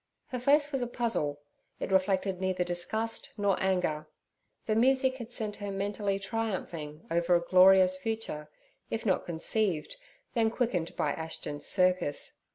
Her face was a puzzle; it reflected neither disgust nor anger. The music had sent her mentally triumphing over a glorious future, if not conceived, then quickened by Ashton's circus.